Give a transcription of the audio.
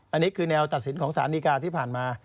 อันนี้คือแนวตัดสินของสารดีกาที่ผ่านมา